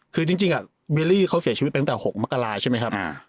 คือจริงเบลลี่เขาเสียชีวิตไปตั้งแต่๖มกราใช่ไหมครับ